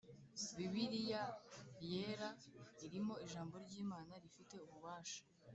Bibiriya Yera irimo ijambo ry Imana rifite ububasha